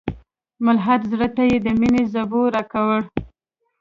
ملحد زړه ته یې د میني زبور راکړی